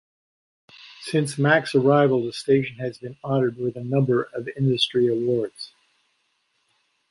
Since Mack's arrival, the station has been honoured with a number of industry awards.